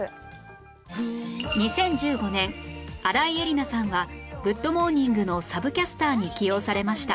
２０１５年新井恵理那さんは『グッド！モーニング』のサブキャスターに起用されました